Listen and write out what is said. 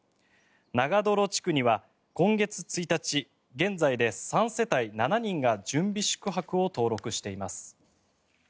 長泥地区には今月１日現在で３世帯７人が準備宿泊を登録しています。